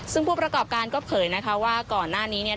ซึ่งผู้ประกอบการก็เผยนะคะว่าก่อนหน้านี้เนี่ย